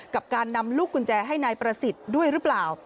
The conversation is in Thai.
กับการนำลูกกุญแจให้นายประสิทธิ์ด้วยหรือเปล่า